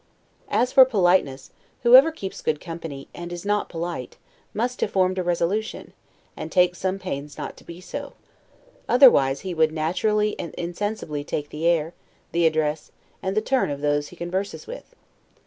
As for politeness: whoever keeps good company, and is not polite, must have formed a resolution, and take some pains not to be so; otherwise he would naturally and insensibly take the air, the address, and the turn of those he converses with.